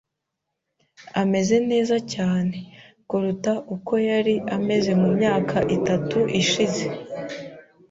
Ameze neza cyane. kuruta uko yari ameze mu myaka itatu ishize .